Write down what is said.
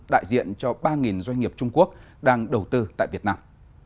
đại diện cho ba doanh nghiệp trung quốc đang đầu tư tại việt nam